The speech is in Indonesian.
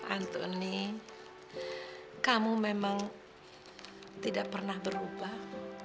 antoni kamu memang tidak pernah berubah